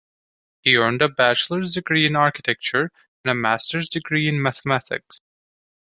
He earned a Bachelor's degree in Architecture and a Master's degree in Mathematics.